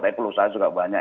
tapi pelusaha juga banyak